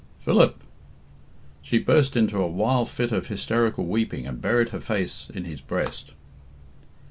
"Philip!" She burst into a wild fit of hysterical weeping, and buried her face his his breast.